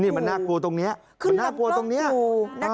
นี่มันน่ากลัวตรงนี้ขึ้นลำกล้องปู